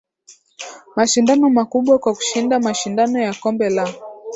Mashindano makubwa kwa kushinda mashindano ya kombe la